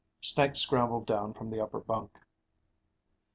Snake scrambled down from the upper bunk.